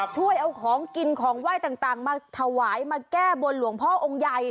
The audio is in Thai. ช่วยเอาของกินของไหว้ต่างมาถวายมาแก้บนหลวงพ่อองค์ใหญ่